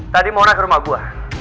tadi mona ke rumah gue